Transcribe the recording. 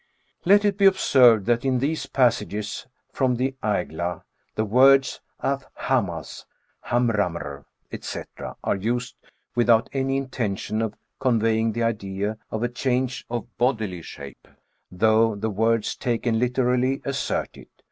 ''— (c. 40.) Let it be observed that in these passages from the Aigla, the words a^ hamaz, hamrammr, &c. are used without any intention of conveying the idea of a change THE SCANDINAVIAN WERE WOLF. 47 of bodily shape, though the words taken literally assert it.